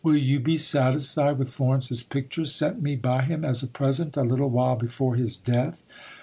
Will you be satisfied with Florence's ^picture sent me by him as a present a little while before his death